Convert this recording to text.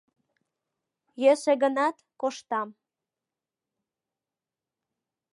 Йӧсӧ гынат, коштам.